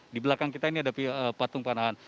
di belakang kita ini ada patung panahan